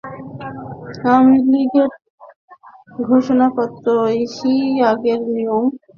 আওয়ামী লীগের ঘোষণাপত্রে ইসি আগের নিয়ম অনুযায়ী করার কথা বলা হয়েছে।